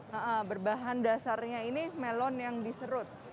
nah berbahan dasarnya ini melon yang diserut